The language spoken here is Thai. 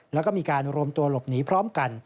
แล้วก็มีการรวมตัวหลบหนีพร้อมกัน